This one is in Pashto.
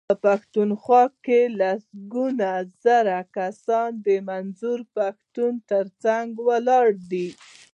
پښتونخوا کې لسګونه زره کسان د منظور پښتون ترڅنګ ولاړ دي.